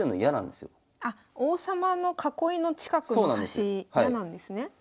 あっ王様の囲いの近くの端嫌なんですね。